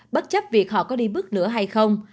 bất chấp việc họ có đi bước nữa hay không